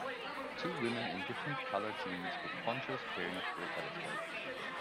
Two women in different color jeans with ponchos peering through a telescope.